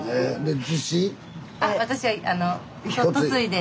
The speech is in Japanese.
あ私は嫁いで。